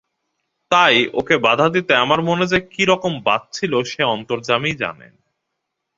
তাই ওকে বাধা দিতে আমার মনে যে কী রকম বাজছিল সে অন্তর্যামীই জানেন।